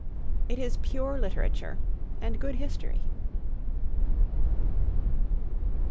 It it pure literature and good history.